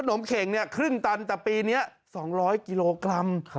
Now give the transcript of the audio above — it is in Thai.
ขนมเข็งครึ่งตันแต่ปีนี้๒๐๐กิโลกรัม